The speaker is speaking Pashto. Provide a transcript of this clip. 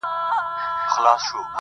ما ويل څه به مي احوال واخلي.